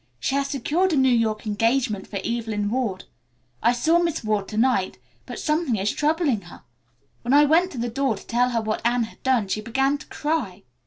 "She has secured a New York engagement for Evelyn Ward. I saw Miss Ward to night, but something is troubling her. When I went to the door to tell her what Anne had done she began to cry.